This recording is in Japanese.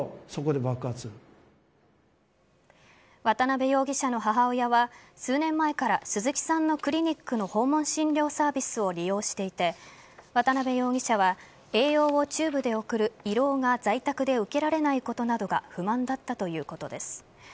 渡辺容疑者の母親は数年前から鈴木さんのクリニックの訪問診療サービスを利用していて渡辺容疑者は栄養をチューブで送る胃ろうが在宅で受けられないことなどが不満だったということです。